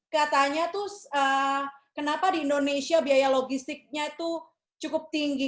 katanya tuh kenapa di indonesia biaya logistiknya itu cukup tinggi